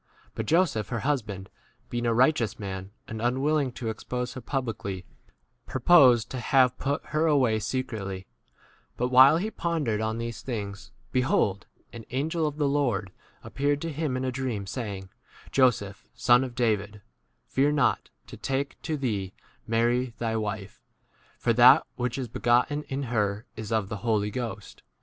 But Joseph, her husband, being [a] righteous [man], and unwilling b to expose her publicly, purposed to have 20 put her away secretly ; but while he pondered on these things, be hold, an angel of [the] Lord c ap peared to him in a dream, saying, Joseph, son of David, fear not to take to [thee] Mary, thy wife, for that which is begotten in 2i her is of [the] Holy Ghost.